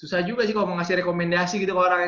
susah juga sih kalo mau ngasih rekomendasi gitu ke orangnya